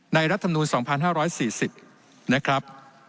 ในรัฐธรรมดูล๒๕๔๐นะครับ